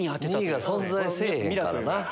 ２位が存在せぇへんからな。